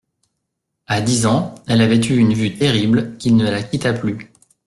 À dix ans, elle avait eu une vue terrible, qui ne la quitta plus.